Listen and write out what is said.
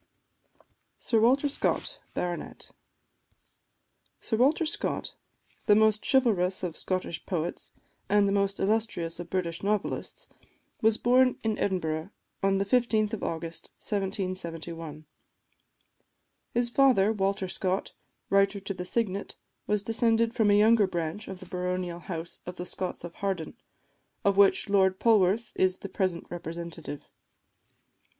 SIR WALTER SCOTT, BART. Sir Walter Scott, the most chivalrous of Scottish poets, and the most illustrious of British novelists, was born in Edinburgh, on the 15th of August 1771. His father, Walter Scott, Writer to the Signet, was descended from a younger branch of the baronial house of the Scotts of Harden, of which Lord Polwarth is the present representative.